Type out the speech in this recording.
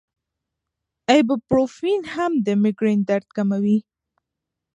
ایبوپروفین هم د مېګرین درد کموي.